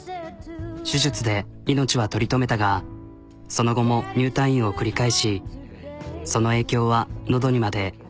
手術で命は取り留めたがその後も入退院を繰り返しその影響は喉にまで。